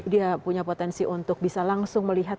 dia punya potensi untuk bisa langsung melihat